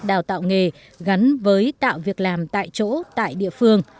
đào tạo nghề gắn với tạo